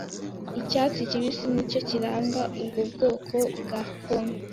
Icyatsi kibisi nicyo kiranga ubwo bwoko bwa pome.